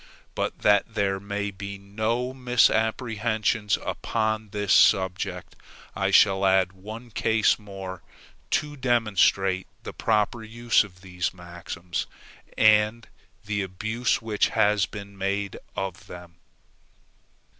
But that there may be no misapprehensions upon this subject, I shall add one case more, to demonstrate the proper use of these maxims, and the abuse which has been made of them.